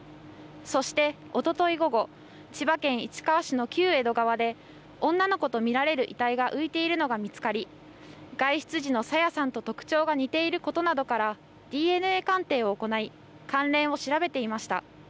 そしておととい午後、千葉県市川市の旧江戸川で女の子と見られる遺体が浮いているのが見つかり外出時の朝芽さんと特徴が似ていることなどからＤＮＡ鑑定を行い関連を調べていました。